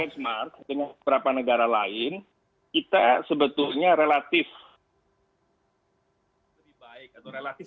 kalau kita benchmark dengan beberapa negara lain kita sebetulnya relatif